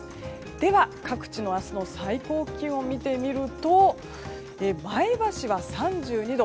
では、各地の明日の最高気温を見てみると前橋は３２度。